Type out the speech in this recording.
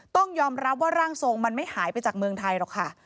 ต้องยอมรับว่าร่างทรงมันไม่หายไปจากเมืองไทยหรอกค่ะ